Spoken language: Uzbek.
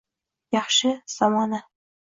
Yaxshi – zamona